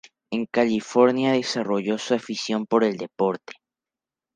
En California desarrolló su afición al deporte.